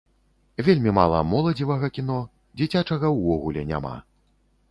Вельмі мала моладзевага кіно, дзіцячага ўвогуле няма.